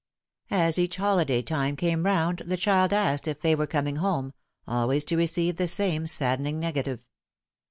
As each holiday time came round the child asked if Fay were coming home, always to receive the same saddening negative.